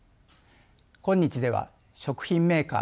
今日では食品メーカー